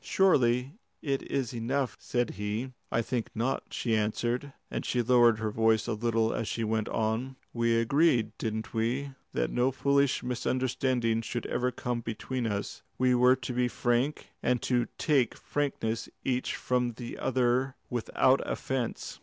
"Surely it is enough," said he. "I think not," she answered, and she lowered her voice a little as she went on. "We agreed, didn't we, that no foolish misunderstandings should ever come between us? We were to be frank, and to take frankness each from the other without offence.